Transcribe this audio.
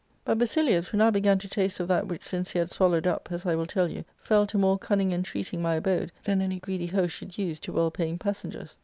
But Basilius, who now began to taste of that which since he had swallowed up, as I .will ■tfilLxQUt.fell to more cunning entreat* ing my abode than any greedy host should use to well paying passengers.